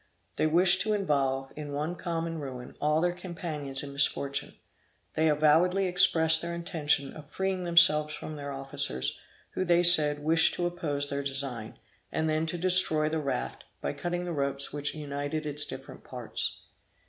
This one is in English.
They wished to involve, in one common ruin, all their companions in misfortune. They avowedly expressed their intention of freeing themselves from their officers, who they said, wished to oppose their design; and then to destroy the raft, by cutting the ropes which united its different parts.